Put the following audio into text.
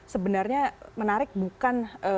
sebenarnya menarik bukan